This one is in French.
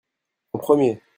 en premier.